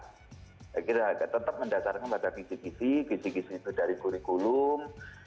saya kira tetap mendasarkan pada kisi kisi kisi kisi itu dari kurikulum